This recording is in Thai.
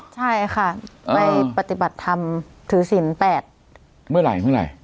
ใช่ค่ะไปปฏิบัติธรรมถือสิน๘เมื่อไหร่